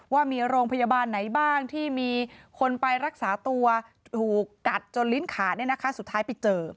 ว่ามีโรงพยาบาลไหนบ้างที่มีคนไปรักษาตัวถูกกัดจนลิ้นขาสุดท้ายไปเจอ